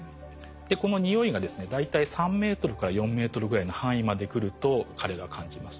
この匂いがですね大体３ｍから４ｍぐらいの範囲まで来ると彼らは感じます。